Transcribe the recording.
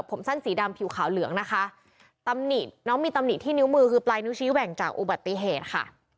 ผมสั้นสีดำผิวขาวเหลืองนะคะตำหนิน้องมีตำหนิที่นิ้วมือคือปลายนิ้วชี้แหว่งจากอุบัติเหตุค่ะ